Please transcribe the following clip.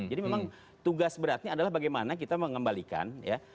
jadi memang tugas beratnya adalah bagaimana kita mengembalikan ya